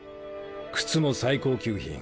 靴も最高級品。